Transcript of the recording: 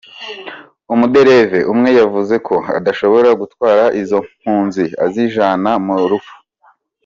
Umudereva umwe yavuze ko adashobora "gutwara izo mpunzi azijana mu rupfu".